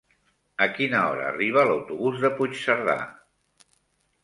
A quina hora arriba l'autobús de Puigcerdà?